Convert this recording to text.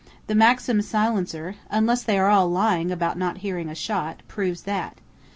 The Maxim silencer unless they are all lying about not hearing a shot proves that.